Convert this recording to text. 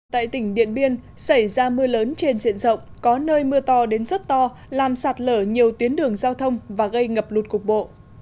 tại tỉnh điện biên xảy ra mưa lớn trên diện rộng có nơi mưa to đến rất to làm sạt lở nhiều tuyến đường giao thông và gây ngập lụt cục bộ